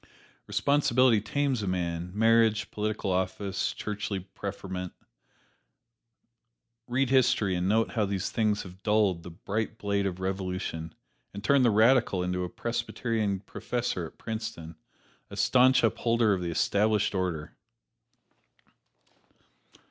Responsibility tames a man marriage, political office, churchly preferment read history and note how these things have dulled the bright blade of revolution and turned the radical into a Presbyterian professor at Princeton, a staunch upholder of the Established Order!